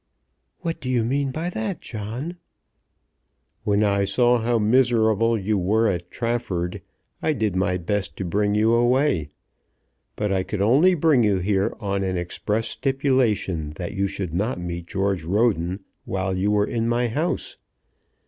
"What do you mean by that, John?" "When I saw how miserable you were at Trafford I did my best to bring you away. But I could only bring you here on an express stipulation that you should not meet George Roden while you were in my house.